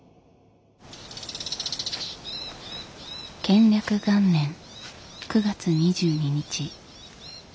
建暦元年９月２２日。